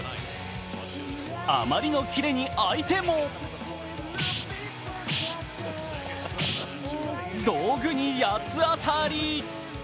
あまりのキレに相手も道具に八つ当たり。